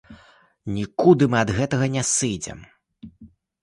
Нікуды мы ад гэтага не сыдзем.